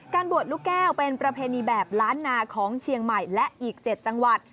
บวชลูกแก้วเป็นประเพณีแบบล้านนาของเชียงใหม่และอีก๗จังหวัด